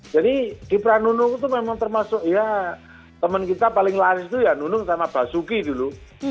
jadi kiprah nunung itu memang termasuk ya temen kita paling laris itu ya nunung sama basuki dulu